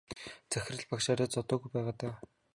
Захирал багш арай зодоогүй байгаа даа.